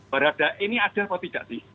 berada ini ada apa tidak sih